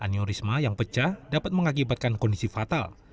aniorisma yang pecah dapat mengakibatkan kondisi fatal